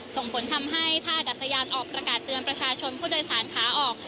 ส่งผลทำให้ท่าอากาศยานออกประกาศเตือนประชาชนผู้โดยสารขาออก